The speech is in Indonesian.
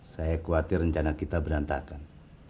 saya khawatir rencana kita berantakan